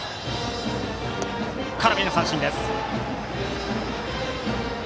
空振り三振です。